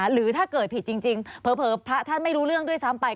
หรือถ้าเกิดผิดจริงเผลอพระท่านไม่รู้เรื่องด้วยซ้ำไป